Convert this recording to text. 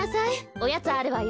おやつあるわよ。